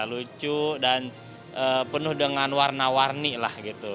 lucu dan penuh dengan warna warni lah gitu